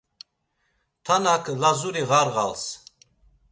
Tanak Lazuri ğarğals.